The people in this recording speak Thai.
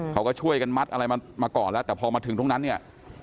เขาก็ช่วยกันมัดอะไรมาก่อนแล้วแต่พอมาถึงตรงนั้นเนี่ย